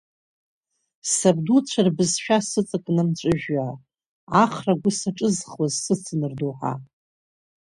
Сабдуцәа рбызшәа сыҵакын амҵәыжәҩа, ахрагәсаҿызхуаз сыцын рдоуҳа.